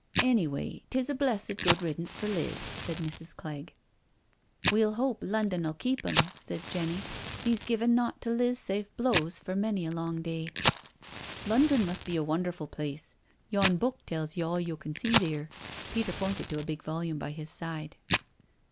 " Anyway, 'tis a. blessed good riddance for Liz," said Mrs. Clegg, " We'll hope London 'ull keep him," said Jenny. " He's given naught to Liz save blows for many a long day." " London must be a wonderfu' place— yon book tells ye all yo' can see theer." Peter pointed to a big volume by his side.